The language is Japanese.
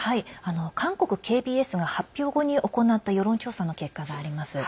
韓国ＫＢＳが発表後に行った世論調査の結果があります。